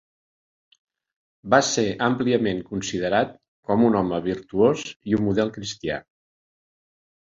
Va ser àmpliament considerat com un home virtuós i un model cristià.